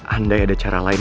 andai ada cara lain